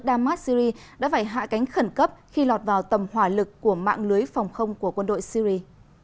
damascus syria đã phải hạ cánh khẩn cấp khi lọt vào tầm hỏa lực của mạng lưới phòng không của quân đội syria